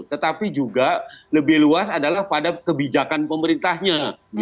tetapi juga lebih luas adalah pada kebijakan pemerintahnya